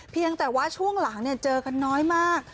เพียงแต่ว่าช่วงหลังเจอกันน้อยมาก